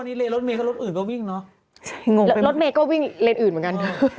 นี่เรนรถเมก็รถอื่นเข้าวิ่งเนอะ